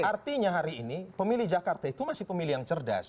artinya hari ini pemilih jakarta itu masih pemilih yang cerdas